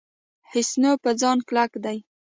حسینو په ځان کلک دی.